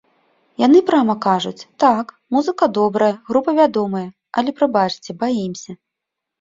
Яны прама кажуць, так, музыка добрая, група вядомая, але, прабачце, баімся.